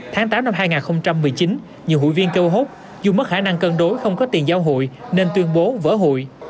tháng tám năm hai nghìn một mươi chín nhiều hụi viên kêu hốt dù mất khả năng cân đối không có tiền giao hụi nên tuyên bố vỡ hụi